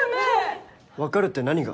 「分かる」って何が？